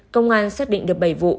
công an xác định được bảy vụ